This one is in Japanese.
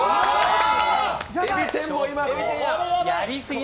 えび天もいます！